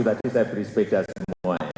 nanti saya beri sepeda semua ya